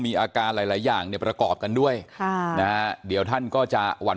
มีอาการหลายอย่างเนี่ยประกอบกันด้วยเดี๋ยวท่านก็จะหวั่น